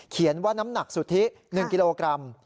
ว่าน้ำหนักสุทธิ๑กิโลกรัม